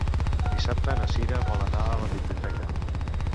Dissabte na Cira vol anar a la biblioteca.